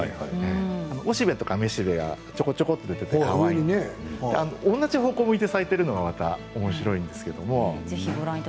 雄しべや雌しべちょこちょこ出ていて同じ方向を向いて咲いているのがおもしろいんですけど。